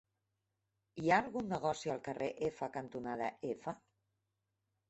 Hi ha algun negoci al carrer F cantonada F?